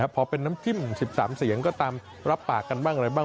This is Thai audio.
พอเป็นน้ำจิ้ม๑๓เสียงก็ตามรับปากกันบ้างอะไรบ้าง